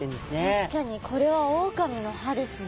確かにこれはオオカミの歯ですね。